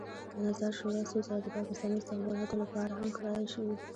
د نظار شورا څو ځله د پاکستاني استخباراتو لپاره هم کرایه شوې.